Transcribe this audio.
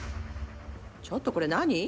ちょっと、これ何？